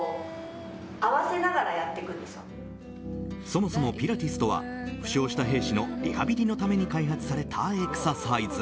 そもそもピラティスとは負傷した兵士のリハビリのために開発されたエクササイズ。